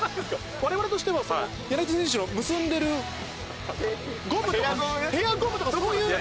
われわれとしては、柳田選手の結んでるゴムとか。ヘアゴムとかそういう。